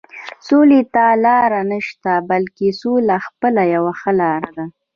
سولې ته لاره نشته، بلکې سوله خپله یوه ښه لاره ده.